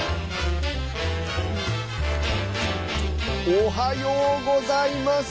おはようございます。